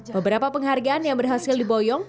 beberapa penghargaan yang berhasil diboyong